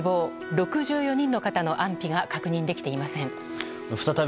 ６４人の方の安否が確認できていません。